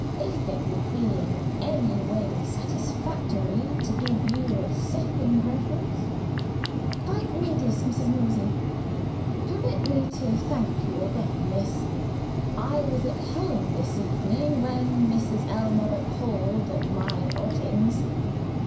If it would be in any way satisfactory to give you a second reference " "Quite needless, Mrs. Mosey." "Permit me to thank you again, miss. I was at home this evening, when Mrs. Ellmother called at my lodgings.